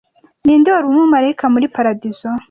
Ninde wari Umumarayika muri paradizo